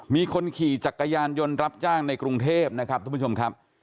มีคนขี่จักรยานยนต์รับจ้างในกรุงเทพนะครับทุกผู้ชมครับ